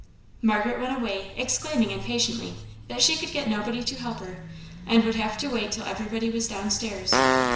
Margaret went away, exclaiming, impatiently, that she could get nobody to help her, and would have to wait till everybody was downstairs.